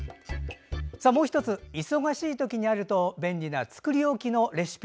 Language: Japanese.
もう１つ、忙しい時にあると便利な作り置きのレシピ。